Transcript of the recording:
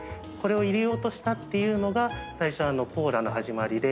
これを入れようとしたというのが最初コーラの始まりで。